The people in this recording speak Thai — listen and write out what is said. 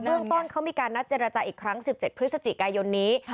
เรื่องต้นเขามีการนัดเจรจาอีกครั้ง๑๗พฤศจิกายนนี้